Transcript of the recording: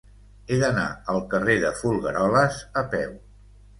He d'anar al carrer de Folgueroles a peu.